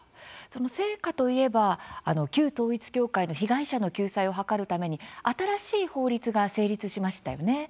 成果といえば旧統一教会の被害者の救済を図るために新しい法律が成立しましたよね。